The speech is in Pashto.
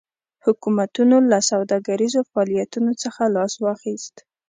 حکومتونو له سوداګریزو فعالیتونو څخه لاس واخیست.